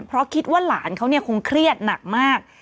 เพราะคิดว่าหลานเขาเนี่ยคงเครียดหนักมาก